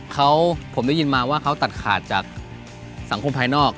เขาผมได้ยินมาว่าเขาตัดขาดจากสังคมภายนอก